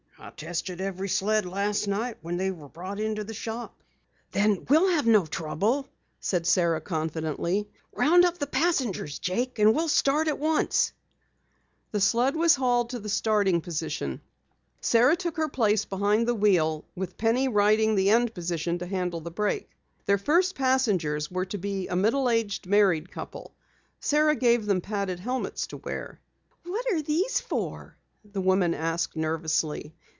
"I tested every sled last night after they were brought to the shop." "Then we'll have no trouble," said Sara confidently. "Round up the passengers, Jake, and we'll start at once." The sled was hauled to the starting line. Sara took her place behind the wheel, with Penny riding the end position to handle the brake. Their first passengers were to be a middle aged married couple. Sara gave them padded helmets to wear. "What are these for?" the woman asked nervously.